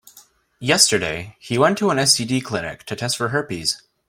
Yesterday, he went to an STD clinic to test for herpes.